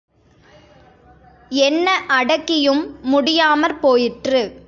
என்ன அடக்கியும் முடியாமற் போயிற்று.